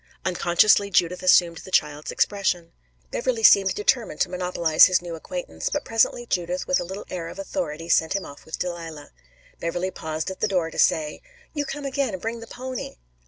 Unconsciously Judith assumed the child's expression. Beverley seemed determined to monopolize his new acquaintance, but presently Judith with a little air of authority sent him off with Delilah. Beverley paused at the door to say: "You come again and bring the pony."